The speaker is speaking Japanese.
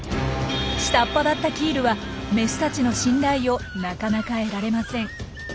下っ端だったキールはメスたちの信頼をなかなか得られません。